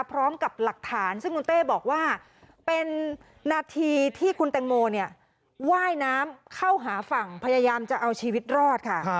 พร้อมกับหลักฐานซึ่งคุณเต้บอกว่าเป็นนาทีที่คุณแตงโมเนี่ยว่ายน้ำเข้าหาฝั่งพยายามจะเอาชีวิตรอดค่ะ